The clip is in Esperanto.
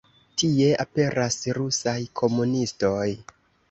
Tie aperas Rusaj komunistoj.